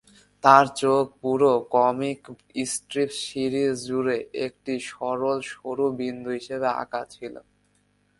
তার চোখ পুরো কমিক স্ট্রিপ সিরিজ জুড়ে একটি সরল সরু বিন্দু হিসাবে আঁকা ছিল।